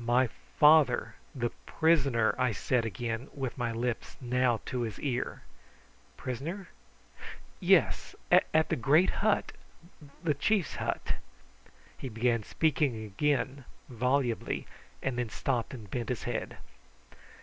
"My father the prisoner," I said again, with my lips now to his ear. "Prisoner? Yes. At the great hut the chief's hut " He began speaking again volubly, and then stopped and bent his head.